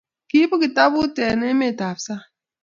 Kiibu kitabut eng emet ab sang